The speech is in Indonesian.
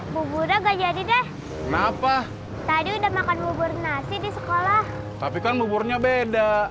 buburnya gak jadi deh tadi udah makan bubur nasi di sekolah tapi kan buburnya beda